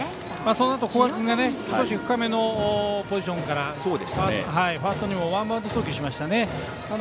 そのあと、古賀君が少し深めのポジションからファーストにワンバウンド送球しましたね。